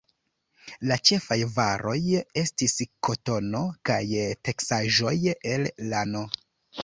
La ĉefaj varoj estis kotono kaj teksaĵoj el lano.